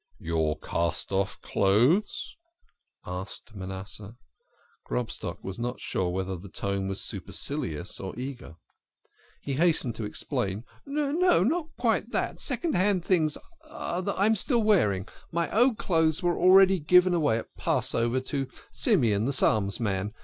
"Your cast off clothes?" asked Manasseh. Grobstock was not sure whether the tone was supercilious or eager. He hastened to explain. " No, not quite that. Second hand things I am still wearing. My old clothes were already given away at Passover to Simeon the Psalms man.